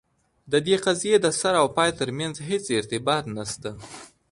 د دې قضیې د سر او پای ترمنځ هیڅ ارتباط نسته.